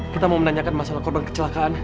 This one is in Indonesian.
kita mau menanyakan masalah korban kecelakaan